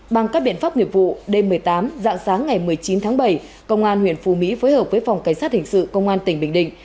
bằng các biện pháp nghiệp vụ đêm một mươi tám dạng sáng ngày một mươi chín tháng bảy công an huyện phù mỹ phối hợp với phòng cảnh sát hình sự công an tỉnh bình định